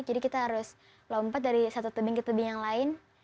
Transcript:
jadi kita harus lompat dari satu tebing ke tebing yang lain